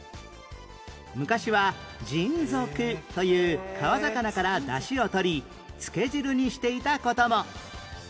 昔は「じんぞく」という川魚から出汁をとりつけ汁にしていた事も